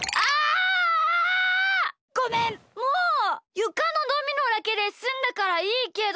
ゆかのドミノだけですんだからいいけど。